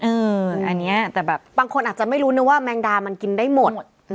อันนี้แต่แบบบางคนอาจจะไม่รู้นึกว่าแมงดามันกินได้หมด